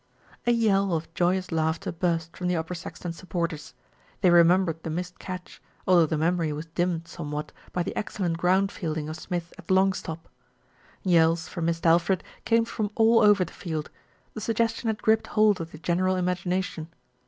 A yell of joyous laughter burst from the Upper Sax ton supporters. They remembered the missed catch, although the memory was dimmed somewhat by the excellent ground fielding of Smith at long stop. Yells for Mist' Alfred came from all over the field. The suggestion had gripped hold of the general im agination.